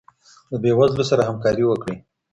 د بې وزلو سره همکاري وکړئ.